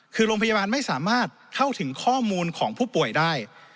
คือโรงพยาบาลไม่สามารถเข้าถึงข้อมูลของผู้ป่วยได้